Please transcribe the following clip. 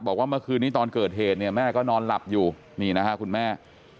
บอกว่าเมื่อคืนนี้ตอนเกิดเหตุเนี่ยแม่ก็นอนหลับอยู่นี่นะฮะคุณแม่